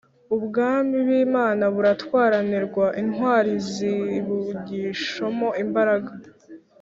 Ubwami b’imana buratwaranirwa intwari zibugishimo imbaraga